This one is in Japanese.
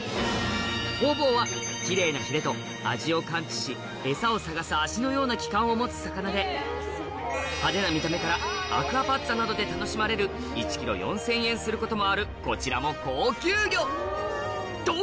ホウボウはキレイなヒレと味を感知し餌を探す足のような器官を持つ魚で派手な見た目からアクアパッツァなどで楽しまれる１ｋｇ４０００円することもあるこちらも高級魚と！